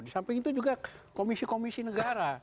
disamping itu juga komisi komisi negara